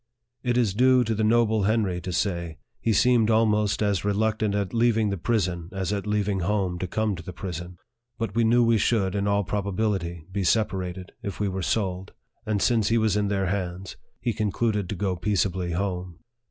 It is due to the noble Henry to say, he seemed almost as reluctant at leaving the prison as at leaving home to come to the prison. But we knew we should, in all probability, be separated, if we were sold ; and since he was in their hands, he concluded to go peaceably home.